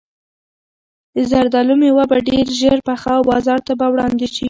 د زردالو مېوه به ډېر ژر پخه او بازار ته به وړاندې شي.